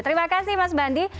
terima kasih mas bandi